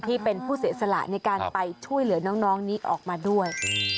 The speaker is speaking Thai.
ที่เป็นผู้เสียสละในการไปช่วยเหลือน้องนี้ออกมาด้วย